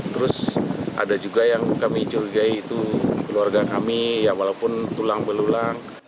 terus ada juga yang kami curigai itu keluarga kami ya walaupun tulang belulang